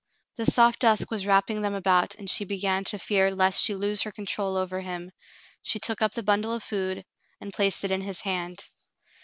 The soft dusk was wrapping them about, and she began to fear lest she lose her control over him. She took up the bundle of food and placed it in his hand.